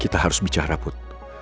kita harus bicara put